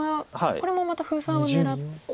これもまた封鎖を狙ってる。